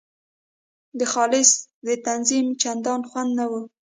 د خالص د تنظیم چندان خوند نه وو.